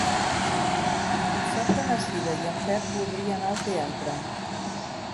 Dissabte na Cira i en Pep voldria anar al teatre.